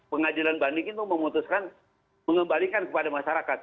pengadilan banding itu memutuskan mengembalikan kepada masyarakat